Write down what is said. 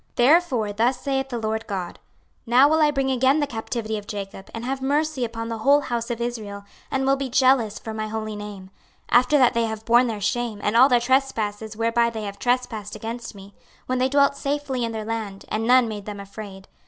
26:039:025 Therefore thus saith the Lord GOD; Now will I bring again the captivity of Jacob, and have mercy upon the whole house of Israel, and will be jealous for my holy name; 26:039:026 After that they have borne their shame, and all their trespasses whereby they have trespassed against me, when they dwelt safely in their land, and none made them afraid.